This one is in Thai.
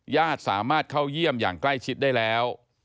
ญาติสามารถเข้าเยี่ยมอย่างใกล้ชิดได้แล้ว